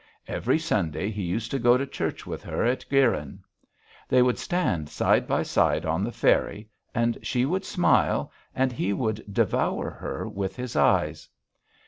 Every Sunday he used to go to church with her at Guyrin. They would stand side by side on the ferry, and she would smile and he would devour her with his eyes.